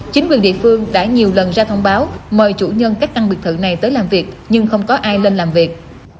chính quyền địa phương đã nhiều lần ra thông báo mời chủ nhân các căn biệt thự này tới làm việc nhưng không có ai lên làm việc